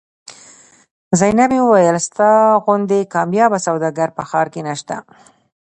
زینبې وویل ستا غوندې کاميابه سوداګر په ښار کې نشته.